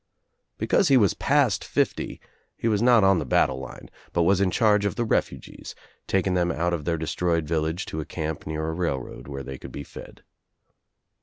Because he was past fifty he was not on the battle line, but was In charge of the refugees, taking them out of their destroyed village to a camp near a railroad where they could be fed.